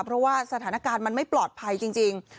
เพราะว่าสถานการณ์มันไม่ปลอดภัยจริง